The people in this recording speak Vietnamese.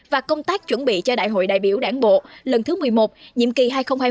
và công tác chuẩn bị cho đại hội đại biểu đảng bộ lần thứ một mươi một nhiệm kỳ hai nghìn hai mươi hai nghìn hai mươi năm